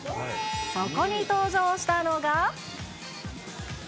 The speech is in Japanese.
そこに登場したのが。